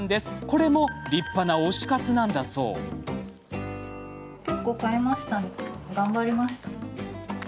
これも立派な推し活なんだそうです。